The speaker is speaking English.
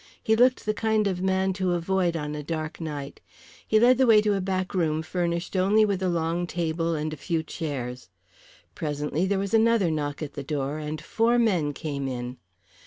He looked the kind of man to avoid on a dark night. He led the way to a back room furnished only with a long table and a few chairs. Presently there was another knock at the door, and four men came in.